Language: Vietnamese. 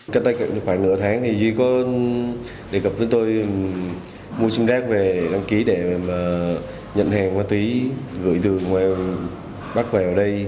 cách đây khoảng nửa tháng thì duy có đề cập với tôi mua xin rác về đăng ký để nhận hàng ma túy gửi từ ngoài bắt quả ở đây